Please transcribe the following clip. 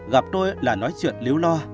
gặp tôi là nói chuyện líu lo